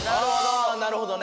なるほど。